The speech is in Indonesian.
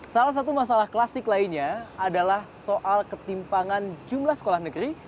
salah satu masalah klasik lainnya adalah soal ketimpangan jumlah sekolah negeri